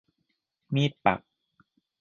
มีดปัก